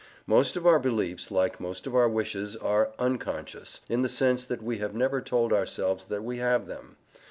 Most of our beliefs, like most of our wishes, are "unconscious," in the sense that we have never told ourselves that we have them.